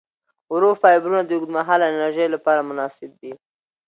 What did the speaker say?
ورو فایبرونه د اوږدمهاله انرژۍ لپاره مناسب دي.